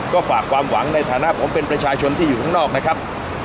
ก็ฝากความหวังในฐานะผมเป็นประชาชนที่อยู่ข้างนอกนะครับ